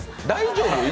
大丈夫？